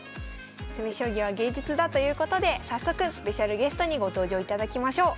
「詰将棋は芸術だ」ということで早速スペシャルゲストにご登場いただきましょう。